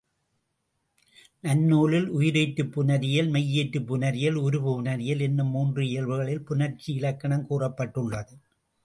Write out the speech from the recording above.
நன்னூலில் உயிரீற்றுப் புணரியல், மெய்யீற்றுப் புணரியல், உருபு புணரியல் என்னும் மூன்று இயல்களில் புணர்ச்சி இலக்கணம் கூறப்பட்டுள்ளது.